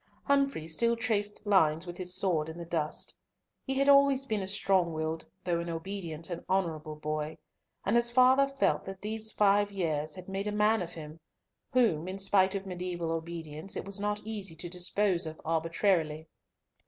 Humfrey still traced lines with his sword in the dust. He had always been a strong willed though an obedient and honourable boy, and his father felt that these five years had made a man of him, whom, in spite of mediaeval obedience, it was not easy to dispose of arbitrarily.